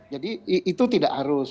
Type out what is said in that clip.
jadi itu tidak harus